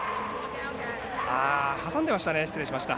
挟んでましたかね。